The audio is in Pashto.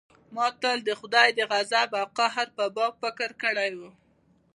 ما تل د خداى د غضب او قهر په باب فکر کړى و.